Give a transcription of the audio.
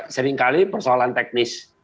seringkali persoalan teknis